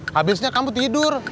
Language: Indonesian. habisnya kamu tidur